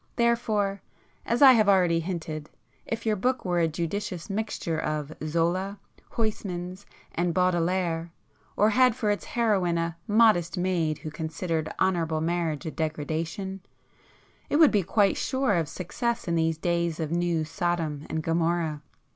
Therefore,—as I have already hinted,—if your book were a judicious mixture of Zola, Huysmans and Baudelaire, or had for its heroine a 'modest' maid who considered honourable marriage a 'degradation,' it would be quite sure of success in these days of new Sodom and Gomorrah."